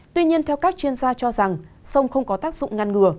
tuy nhiên theo các chuyên gia cho rằng sông không có tác dụng ngăn ngừa